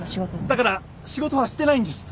だから仕事はしてないんです。